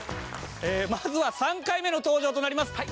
まずは３回目の登場となります